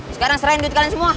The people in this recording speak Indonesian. sekarang serahin duit kalian semua